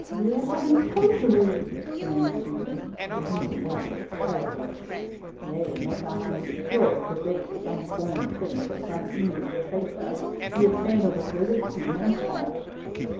"Rear her in Popery," exclaimed Susan, to whom the word was terrible. "Yea, and make her hand secure as the bait to some foreign prince or some English traitor, who would fain overthrow Queen and Church."